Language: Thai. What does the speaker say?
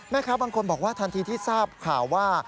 แม่ค้าบางคนบอกว่าทันทีที่ทราบข่าวว่า